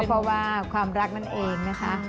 เพราะว่าความรักนั่นเองนะคะ